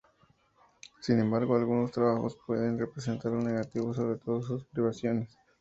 Sin embargo, algunos trabajos pueden representar lo negativo, sobre todo sus privaciones.